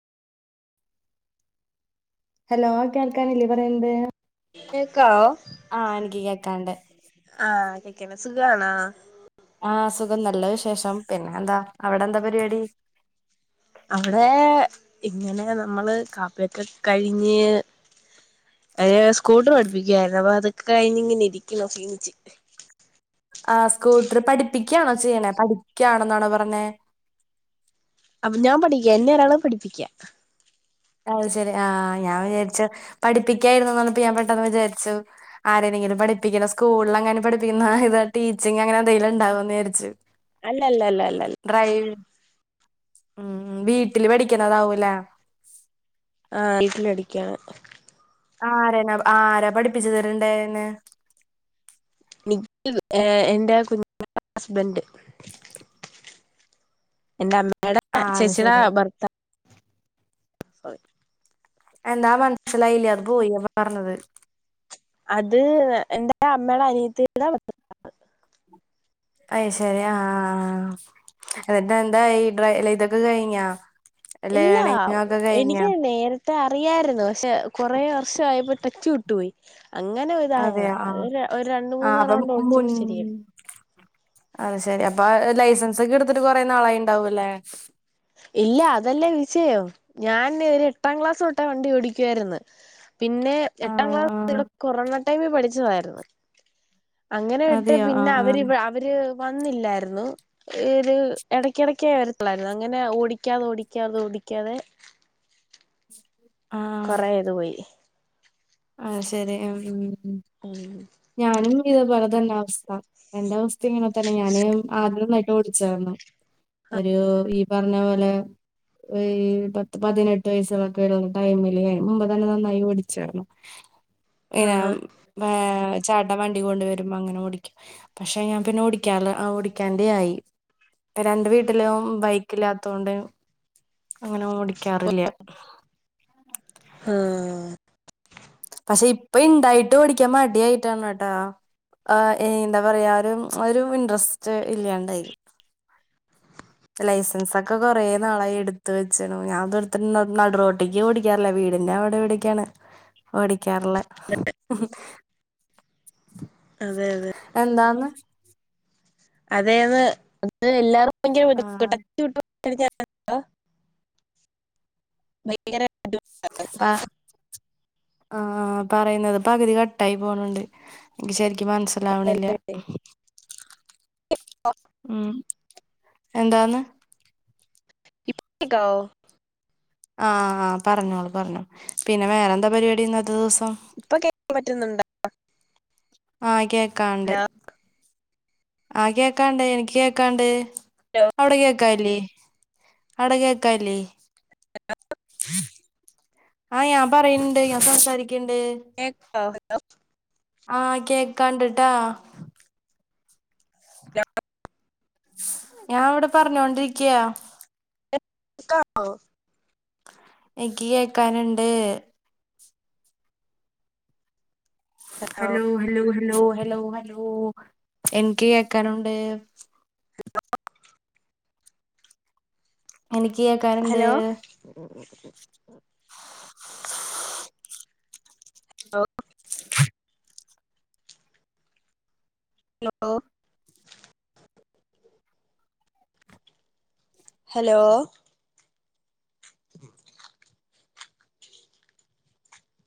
Hello കേൾക്കാനില്ലേ പറയ്ന്നത്? കേൾക്കാവോ? ആ എനിക്ക് കേക്കാണ്ട്. ആഹ് കേക്ക്ണ് സുഖാണോ? ആ സുഖം നല്ല വിശേഷം പിന്നെ എന്താ അവിടെന്താ പരിവാടി? അവിടെ ഇങ്ങനെ നമ്മള് കാപ്പിയൊക്കെ കഴിഞ്ഞ് ഏ സ്കൂട്ടർ പഠിപ്പിക്യാര്ന്ന് അപ്പൊ അതൊക്കെ കഴിഞ്ഞ് ഇങ്ങനെ ഇരിക്യാ ക്ഷീണിച്ച്. ആ സ്കൂട്ടർ പഠിപ്പിക്ക്യാണോ ചെയ്യണേ പഠിക്ക്യാണോ എന്നാണോ പർഞ്ഞെ? അപ്പൊ ഞാൻ പഠിക്ക എന്നെ ഒരാള് പഠിപ്പിക്യാ. അത് ശെരി ആഹ് ഞാൻ വിചാരിച്ചു പഠിപ്പിക്യായിരുന്നു പറഞ്ഞപ്പോ ഞാൻ പെട്ടെന്ന് വിചാരിച്ചു ആരെലെങ്കിലും പഠിപ്പിക്കുന്ന സ്കൂളങ്ങാനും പഠിപ്പിക്കുന്ന ഇത് ടീച്ചിങ് അങ്ങനെ എന്തങ്കിലും ഇണ്ടാവോ എന്ന് വിചാരിച്ചു. അല്ലല്ലല്ലല്ല. ഡ്രൈവിങ് മ് വീട്ടില് പടിക്ക്ണതാവുംലേ? ആട്ടില് പടിക്യാണ്. ആരന ആരാ പഠിപ്പിച്ച് തര്ണ്ടായ്ന്നെ? [unintelligible] ഏ എന്റെ കുഞ്ഞമ്മന്റെ ഹസ്ബന്റ്. എന്റെമ്മേടെ ആഹ് അത് ചെച്ചിടെ ശരി ഭർത്താവ്. [unintelligible] എന്താ മൻസ്സിലായില അത് പോയി പറഞ്ഞത്. അത് എന്റെ അമ്മയുടെ അനിയത്തിടെ ഭ അയ് ശെരി ആഹ് ആഹ് ന്ന്ട്ട് എന്തായി ഡ്രൈലെതൊക്കെ കയ്ഞ്ഞോ? ഇല്ല എനിക്ക് നേര ത്തെ അറിയായിരുന്നു പക്ഷെ കൊറേ വർഷായപ്പോ ടെച്ച് വിട്ടു പോയി അങ്ങനെ സായതാ അതെയോ അത് ആഹ് ഒര് രണ്ട്‌ മൂന്ന് റൗണ്ട് ഓടിച്ചമ്പോ ശെരിയായി. അഹ് ശെരി അപ്പൊ ലൈസൻസൊക്കെ എട്ത്തിട്ട് കൊറെ നാളായിണ്ടാവുംല്ലേ? ഇല്ല അതല്ലേ വിഷയം ഞാന് ഒരു എട്ടാം ക്ലാസ് തൊട്ടേ വണ്ടി ഓടിക്കായിര്ന്ന്. പിന്നെ എട്ടാം ആഹ് ക്ലാസ് ആഹ് ഇവിടെ കൊറോണ ടൈമിൽ പഠിച്ചതായി ര്ന്ന്. [inaudible] അങ്ങനെ ഇട്ട് അതെയോ പിന്നെ ആഹ് ആഹ് അവരിവ അവര് വന്നില്ലായിരുന്നു ഇര് എടക്കെടക്കെ വര തൊള്ളാര്ന്ന്? അങ്ങനെ ഓടിക്ക്യാതെ ഓടിക്ക്യാതെ ഓടിക്ക്യാതെ. കൊറേത് പോയ്. ആയ് ശെരി ഉം ഉം. ഊ [inaudible] ഞാനും ഇത്പോലെ തന്നെ അവസ്ഥ. എന്റെ അവസ്തയും ഇങ്ങനെ തന്നെ ഞാന് ആദ്യംന്നായിട്ട് ഓടിച്ചാര്ന്നു. ഒരു ഈ പറഞ്ഞ പോലെ അയ് പത്ത് പതിനെട്ട് വയസ്സുകളൊക്കെ ഉള്ള ടൈമില് മുമ്പ തന്നെ നന്നായി ഓടിച്ചാറുന്നു ഏഹ് ആഹ് മേ [inaudible] ചേട്ടൻ വണ്ടി കൊണ്ട് വരുമ്പോ അങ്ങനെ ഓടിക്കും പക്ഷെ ഞാൻ പിന്നെ ഓടിക്കാർല ഓടിക്കാണ്ടെ ആയി. രണ്ട് വീട്ടിലും ബൈക്കില്ലാത്തൊണ്ട് അങ്ങനെ ഓടിക്കാറില്ല്യ ആഹ് പക്ഷെ ഇപ്പ ഇണ്ടായിട്ടും ഓടിക്കാൻ മടിയായിട്ടാണ് ട്ട ആഹ് ഏഹ് എന്താ പറയാ ഒരു ഒരു ഇൻട്രസ്റ്റ് ഇല്ലാണ്ടായി. ലൈസൻസ് ഒക്കെ കൊറേ നാളായി എടുത്ത് വെച്ചണു ഞാൻതെട്ത്ത് നടുറോട്ടിക്ക് ഓടി ടിക്കാറില്ല വീടിന്റെ അവിടെ വിടക്കാണ് ഓടിക്കാറിള്ളെ അതെ അതെ എന്താന്ന് അതേന്ന് എല്ലാരും ഭയങ്കര [inaudible] [unintelligible] ആഹ് പറയുന്നത് പകുതി കട്ടായി പോണണ്ട് എനിക്ക് ശരിക്കും മനസ് ലാവണില്ല്യ ഉം എന്താന്ന് ഇപ് കെക്കവോ ആഹ് ആഹ് പറഞ്ഞോളൂ പറഞ്ഞോ പിന്നെ വേറെ എന്താ പരിപാടിന്ന് ഇന്നത്തെ ദെവസം ഇപ്പൊ കേൾക്കാൻ പറ്റുന്നുണ്ടോ ആഹ് കേക്കാണ്ട് ഹലോ ആഹ് കേക്കാണ്ട് എനിക്ക് കേക്കാണ്ട് അവിടെ കേക്കാൻല്ലേ ആടകേക്കൻല്ലെ? ഹലോ ആഹ് ഞാൻ പറയ്ണ്ട് ഞാൻ സംസാരിക്കണ്ട് കേക്കാവോ ഹലോ ആഹ് കേക്കാണ്ട്ട്ടാ ഹലോ ഞാൻ വിടെ പർഞ്ഞോണ്ടിരിക്കാ ക്കാ ഓ എനിക്ക് കേക്കാനുണ്ട്. Hello hello hello hello hello എനികി കേക്കാനുണ്ട്. ഹലോ എനിക്ക് കേക്കാന്ണ്ട് ഉം ഉ ഉം ഹലോ ഹലോ